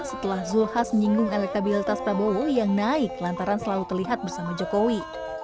setelah zulkifli hasan menyinggung elektabilitas prabowo yang naik lantaran selalu terlihat bersama jokowi